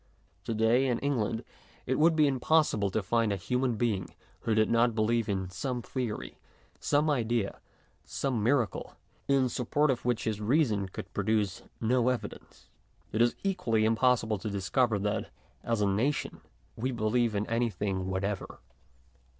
To day, in England, it would be impossible to find a human being who did not believe some theory, some idea, some miracle, in support of which his reason could produce no evidence. It is equally impos sible to discover that, as a nation, we believe in anything whatever.